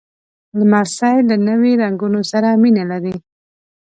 لمسی له نوي رنګونو سره مینه لري.